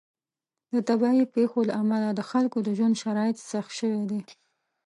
د طبیعي پیښو له امله د خلکو د ژوند شرایط سخت شوي دي.